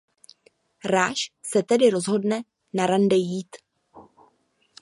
Raj se tedy rozhodne na rande jít.